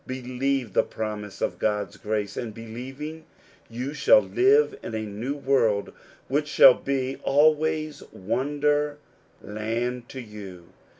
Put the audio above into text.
Believe the promise of God's grace, and believing, you shall live in a new world which shall be always wonder land to you.